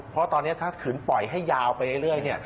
เพราะว่าตอนนี้ถ้าขึ้นปล่อยให้ยาวไปเรื่อย